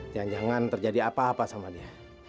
jangan jangan terjadi apa apa sama dia